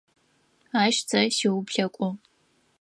Ащ сэ сиуплъэкӏугъ.